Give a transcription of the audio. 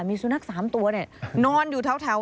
ทั้งสามตัวเนี่ยนอนอยู่แถว